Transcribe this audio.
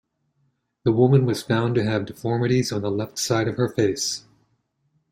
The woman was found to have deformities on the left side of her face.